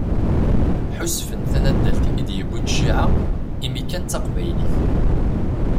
Ḥusfen tanaddalt i d-yewwin cciɛa, imi kan d taqbaylit.